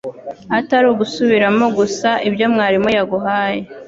atari ugusubiramo gusa ibyo mwarimu yaguhaye